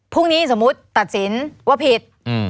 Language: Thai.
พรุ่งนี้สมมุติตัดสินว่าผิด